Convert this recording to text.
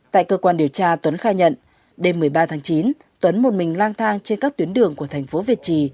tại cơ quan điều tra tuấn khai nhận đêm một mươi ba tháng chín tuấn một mình lang thang trên các tuyến đường của thành phố việt trì